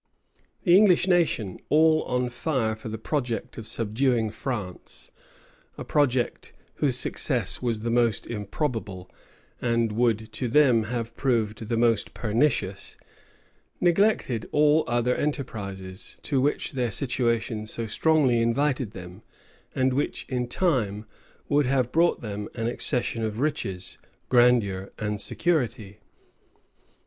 The English nation, all on fire for the project of subduing France, a project whose success was the most improbable, and would to them have proved the most pernicious, neglected all other enterprises, to which their situation so strongly invited them, and which, in time, would have brought them an accession of riches, grandeur, and security.